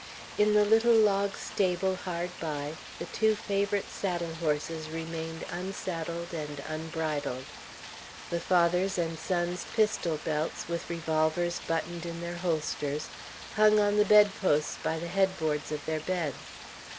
In the little log stable hard by, the two favorite saddle horses remained unsaddled and unbridled. The father's and son's pistol belts, with revolvers buttoned in their holsters, hung on the bedposts by the headboards of their beds.